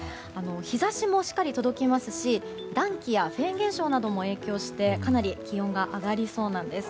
日差しもしっかり届きますし暖気やフェーン現象なども影響して、かなり気温が上がりそうなんです。